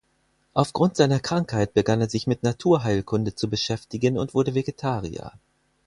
Aufgrund seiner Krankheit begann er sich mit Naturheilkunde zu beschäftigen und wurde Vegetarier.